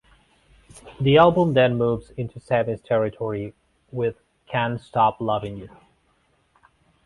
The album then moves into Sammy's territory with "Can't Stop Lovin' You".